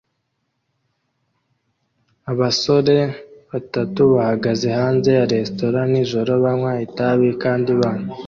Abasore batatu bahagaze hanze ya resitora nijoro banywa itabi kandi banywa